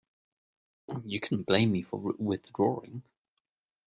You couldn't blame me for withdrawing.